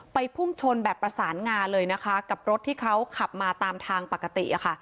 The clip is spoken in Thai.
พุ่งชนแบบประสานงาเลยนะคะกับรถที่เขาขับมาตามทางปกติอะค่ะ